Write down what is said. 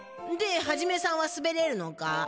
でハジメさんはすべれるのか？